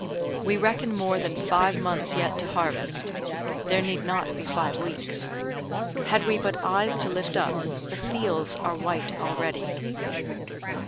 We reckon more than five months yet to harvest; there need not be five weeks; had we but eyes to lift up, the fields are white already.